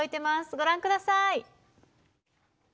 ご覧ください。